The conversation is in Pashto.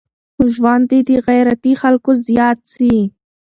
ژوند دي د غيرتي خلکو زيات سي.